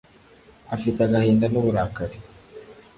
afite agahinda n uburakari